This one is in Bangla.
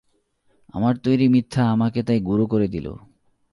আমার তৈরি মিথ্যা আমাকে তাই গুঁড়ো করে দিল।